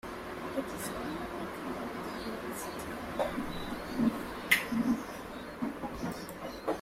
It is commonly called the "green city".